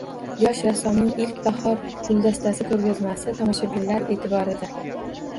Yosh rassomning ilk “Bahor guldastasi” ko‘rgazmasi tomoshabinlar e’tiborida